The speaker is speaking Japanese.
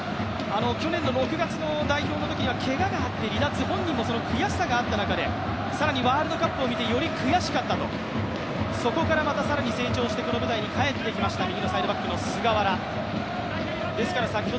去年の６月の代表のときにはけががあって離脱、離脱、本人もその悔しさがあった中で、更にワールドカップを見てより悔しかったと、そこからまた成長してこの舞台に帰ってきました右のサイドバック・菅原。